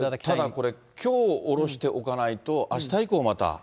ただ、これきょう下ろしておかないと、あした以降また。